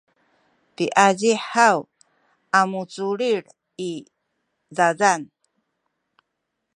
piazihi haw a muculil i zazan